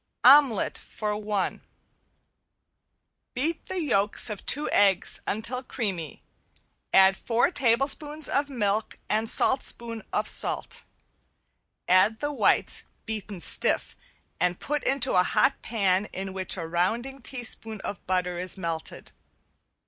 ~OMELET FOR ONE~ Beat the yolks of two eggs until creamy, add four tablespoons of milk and saltspoon of salt. Add the whites beaten stiff and put into a hot pan in which a rounding teaspoon of butter is melted.